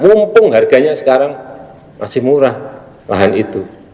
mumpung harganya sekarang masih murah lahan itu